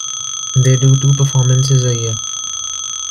They do two performances a year.